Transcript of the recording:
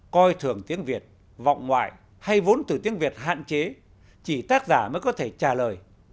coi thường tiếng việt vọng ngoại hay vốn từ tiếng việt hạn chế chỉ tác giả mới có thể trả lời